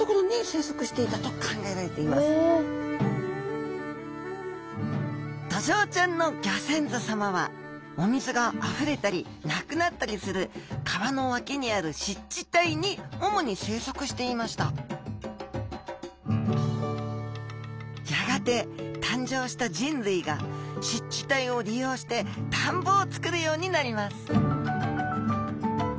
こういった所にドジョウちゃんのギョ先祖さまはお水があふれたりなくなったりする川の脇にある湿地帯に主に生息していましたやがて誕生した人類が湿地帯を利用して田んぼをつくるようになります